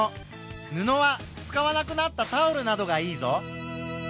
布は使わなくなったタオルなどがいいぞ。